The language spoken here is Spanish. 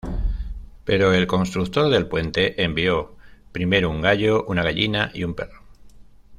Pero el constructor del puente envió primero un gallo, una gallina y un perro.